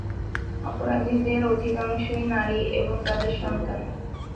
অপরাধীদের অধিকাংশই নারী এবং তাদের সন্তান।